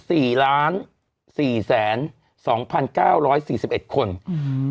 สี่ล้านสี่แสนสองพันเก้าร้อยสี่สิบเอ็ดคนอืม